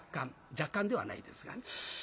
若干ではないですがね。